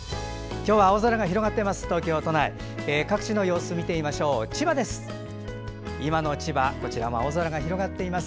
今の千葉、青空が広がっています。